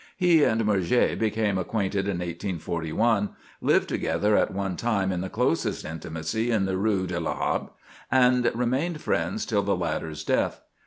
He and Murger became acquainted in 1841, lived together at one time in the closest intimacy in the Rue de la Harpe, and remained friends till the latter's death.